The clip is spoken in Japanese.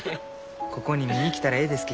ここに見に来たらえいですき。